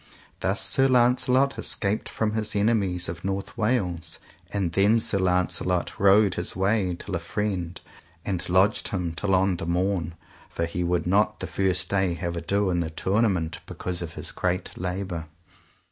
Thus Sir Launcelot escaped from his enemies of North Wales, and then Sir Launcelot rode his way till a friend, and lodged him till on the morn; for he would not the first day have ado in the tournament because of his great labour.